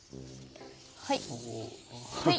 はい。